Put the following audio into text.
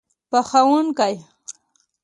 پخوونکی